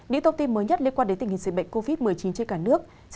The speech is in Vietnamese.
điện tốc tiên mới nhất liên quan đến tình hình xảy bệnh covid một mươi chín trên cả nước